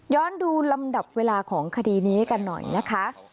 ดูลำดับเวลาของคดีนี้กันหน่อยนะคะ